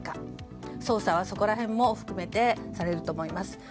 捜査はそこら辺も含めてされると思います。